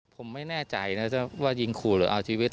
ผมไม่แน่ใจนะว่ายิงขู่หรือเอาชีวิต